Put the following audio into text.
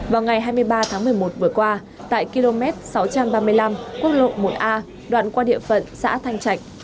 vào ngày hai mươi ba tháng một mươi một vừa qua tại km sáu trăm ba mươi năm quốc lộ một a đoạn qua địa phận xã thanh trạch